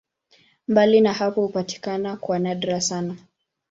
Mbali na hapo hupatikana kwa nadra sana.